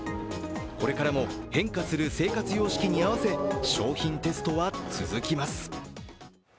これからも変化する生活様式に合わせ商品テストは続きます。